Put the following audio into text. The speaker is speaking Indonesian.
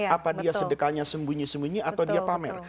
apa dia sedekahnya sembunyi sembunyi atau dia pamer